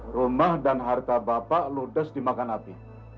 rumah dan harta bapak ludes dimakan api